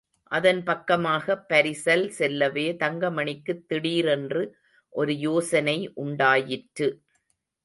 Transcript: அதன் பக்கமாகப் பரிசல் செல்லவே தங்கமணிக்குத் திடீரென்று ஒரு யோசனை உண்டாயிற்று.